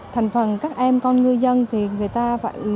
thành phần các em con ngư dân thì người ta phải